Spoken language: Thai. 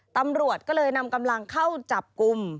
ตำรวจก็เลยนำกำลังเข้าจับกลุ่ม